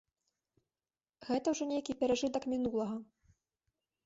Гэта ўжо нейкі перажытак мінулага.